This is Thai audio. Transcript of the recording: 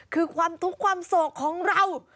คือความทุกข์ความโศกของเรา